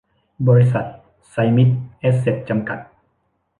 บริษัท ไซมิส แอสเสท จำกัด